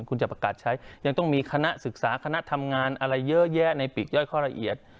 คุณจะประกาศใช้ยังต้องมีคณะศึกษาคณะทำงานอะไรเยอะแยะในปีกย่อยข้อละเอียด